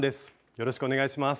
よろしくお願いします。